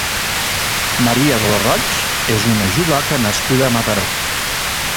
Maria Dolors Roig és una judoka nascuda a Mataró.